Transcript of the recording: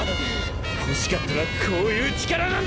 欲しかったのはこういう力なんだ！